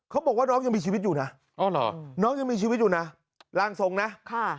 เขาบอกว่าน้องยังมีชีวิตอยู่นะอ๋อเหรอน้องยังมีชีวิตอยู่นะร่างทรงนะค่ะ